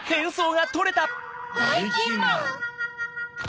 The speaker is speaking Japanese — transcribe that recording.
ばいきんまん！